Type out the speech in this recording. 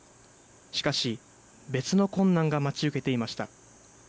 しかし、別の困難が待ち受けていました。